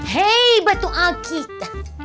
hei batu akik